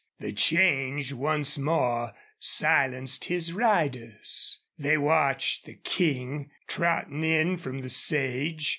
The change once more silenced his riders. They watched the King trotting in from the sage.